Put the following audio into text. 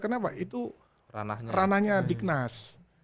kenapa itu ranahnya dignas